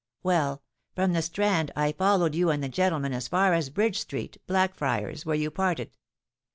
"Well—from the Strand I followed you and the gentleman as far as Bridge Street, Blackfriars, where you parted.